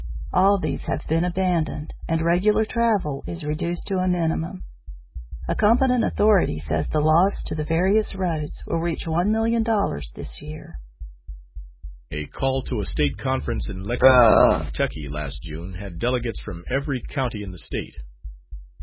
All these have been abandoned, and regular travel is reduced to a minimum. A competent authority says the loss to the various roads will reach $1,000,000 this year. A call to a State Conference in Lexington, Ky., last June had delegates from every county in the State.